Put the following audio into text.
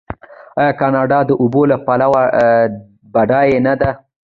آیا کاناډا د اوبو له پلوه بډایه نه ده؟